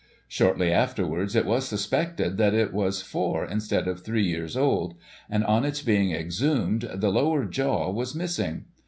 Shortly afterwards, it was suspected that it was four, instead of three years old; and, on its being exhumed, the lower jaw was missing.